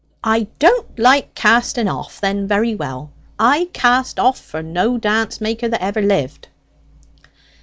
"I don't like casting off: then very well; I cast off for no dance maker that ever lived."